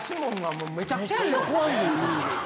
めっちゃ怖いねんけど。